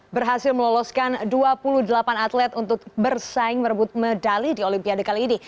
berhasil meloloskan dua puluh delapan atlet untuk bersaing merebut medali di olimpiade kali ini